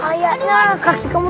aduh sakit aduh